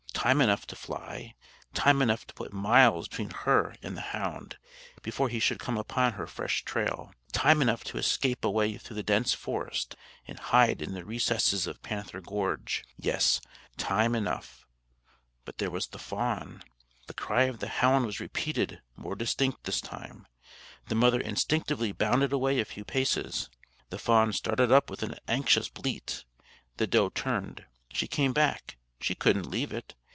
Time enough to fly; time enough to put miles between her and the hound, before he should come upon her fresh trail; time enough to escape away through the dense forest and hide in the recesses of Panther Gorge; yes, time enough. But there was the fawn. The cry of the hound was repeated, more distinct this time. The mother instinctively bounded away a few paces. The fawn started up with an anxious bleat. The doe turned; she came back; she couldn't leave it.